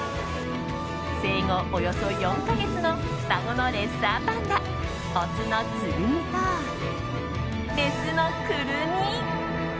生後およそ４か月の双子のレッサーパンダオスのつぐみとメスのくるみ。